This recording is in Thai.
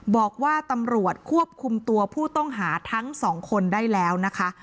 บอกว่าตำรวจควบคุมตัวผู้ต้องหาทั้งสองคนได้แล้วนะคะ